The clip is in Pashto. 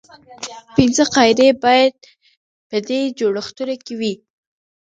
پنځه قاعدې باید په دې جوړښتونو کې وي.